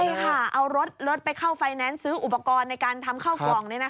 ใช่ค่ะเอารถไปเข้าไฟแนนซ์ซื้ออุปกรณ์ในการทำข้าวกล่อง